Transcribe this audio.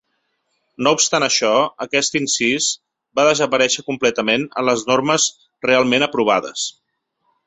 No obstant això, aquest incís va desaparèixer completament en les normes realment aprovades.